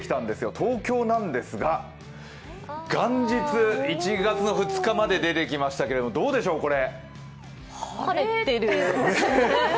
東京なんですが、元日、１月の２日まで出てきましたけれどもどうでしょう、これ。